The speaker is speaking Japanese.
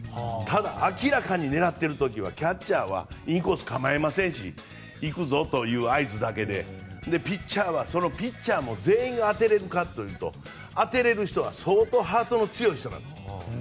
ただ、明らかに狙っている時はキャッチャーはインコース構えませんし行くぞという合図だけでピッチャーはそのピッチャーも全員が当てれるかというと当てられる人は相当ハートの強い人なんです。